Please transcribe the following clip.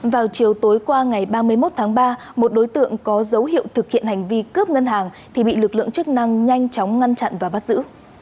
vào chiều tối qua ngày ba mươi một tháng ba một đối tượng có dấu hiệu thực hiện hành vi cướp ngân hàng thì bị lực lượng chức năng nhanh chóng ngăn chặn và bắt giữ